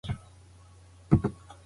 لوږه باید واورېدل شي.